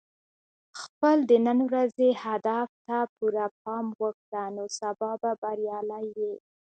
خپل د نن ورځې هدف ته پوره پام وکړه، نو سبا به بریالی یې.